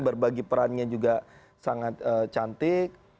berbagi perannya juga sangat cantik